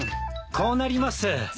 こうなります。